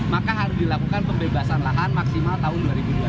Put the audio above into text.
maka harus dilakukan pembebasan lahan maksimal tahun dua ribu dua puluh